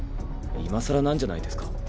今更なんじゃないですか？